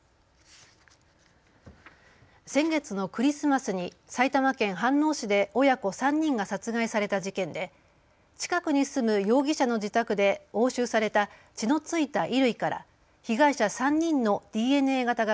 先月のクリスマスに埼玉県飯能市で親子３人が殺害された事件で近くに住む容疑者の自宅で押収された血の付いた衣類から被害者３人のＤＮＡ型が